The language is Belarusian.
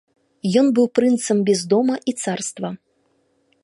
Ён быў прынцам без дома і царства.